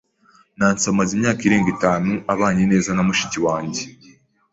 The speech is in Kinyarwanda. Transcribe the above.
Nancy amaze imyaka irenga itanu abanye neza na mushiki wanjye.